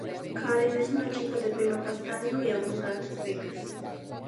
Karen es una chica de pelo castaño y abundantes pecas.